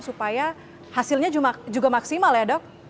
supaya hasilnya juga maksimal ya dok